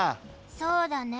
そうだね。